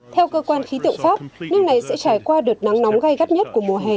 theo cơ quan khí tượng pháp nước này sẽ trải qua đợt nắng nóng gai gắt nhất của mùa hè